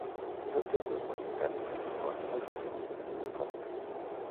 Hizo teatro musical y participó en bandas sinfónicas.